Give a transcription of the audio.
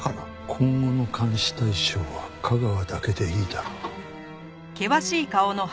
今後の監視対象は架川だけでいいだろう。